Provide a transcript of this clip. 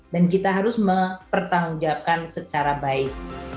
dan kita harus mempertanggung jawabkan secara baik